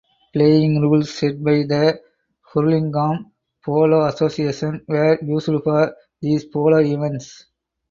Playing rules set by the Hurlingham Polo Association were used for these polo events.